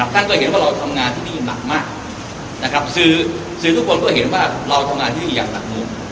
ท่านก็เห็นว่าเราทำงานที่นี่หนักมากนะครับซื้อทุกคนก็เห็นว่าเราทำงานที่นี่อย่างหนักหน่วง